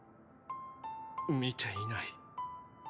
みていない。